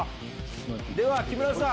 では木村さん。